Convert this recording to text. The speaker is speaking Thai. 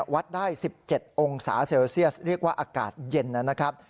วัดได้๑๗องศาเซลเซียสเรียกว่าอากาศเย็นนะครับ